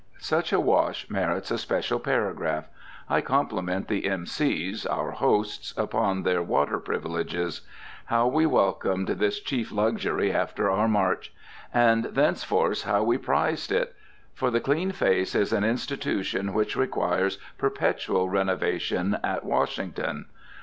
Such a wash merits a special paragraph. I compliment the M.C.s, our hosts, upon their water privileges. How we welcomed this chief luxury after our march! And thenceforth how we prized it! For the clean face is an institution which requires perpetual renovation at Washington.